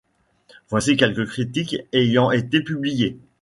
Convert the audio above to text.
Voici quelques critiques ayant été publiées.